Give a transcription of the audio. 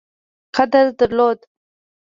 قدر درلود.